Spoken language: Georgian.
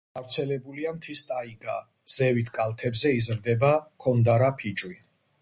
გავრცელებულია მთის ტაიგა; ზევით კალთებზე იზრდება ქონდარა ფიჭვი.